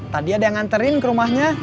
tadi ada yang nganterin ke rumahnya